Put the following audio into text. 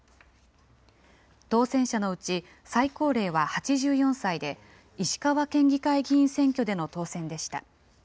当選者のうち、最高齢は８４歳で、石川県議会議員選挙での当選でした。